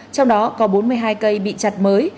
trong đó có bốn mươi hai cây bị chặt mới